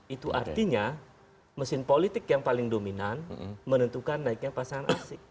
itu artinya mesin politik yang paling dominan menentukan naiknya pasangan asik